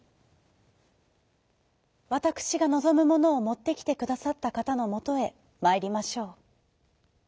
「わたくしがのぞむものをもってきてくださったかたのもとへまいりましょう。